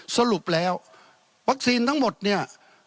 สรุปแล้ววัคซีนทั้งหมดเนี่ย